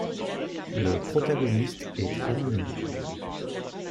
Le protagoniste est anonyme.